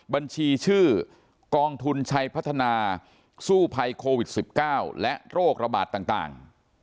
บัญชีชื่อกองทุนชัยพัฒนาสู้ภัยโควิด๑๙และโรคระบาดต่าง